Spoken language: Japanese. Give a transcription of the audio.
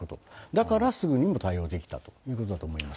だからすぐにも対応できたということだと思います。